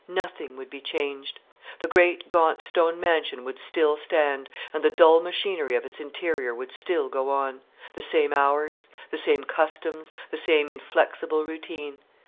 Nothing would be changed. The great gaunt stone mansion would still stand, and the dull machinery of its interior would still go on: the same hours; the same customs; the same inflexible routine.